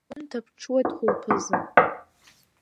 Ргәы нҭаԥҽуеит хәылԥазы.